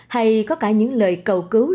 hay có cả những lời cầu cứu